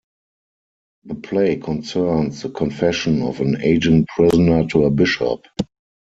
The play concerns the confession of an aging prisoner to a bishop.